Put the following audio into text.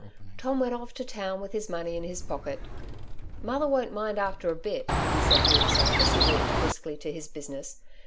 Tom went off to town with his money in his pocket. '^ Mother won't mind after a bit,^^ he said to him self as he walked briskly to his business.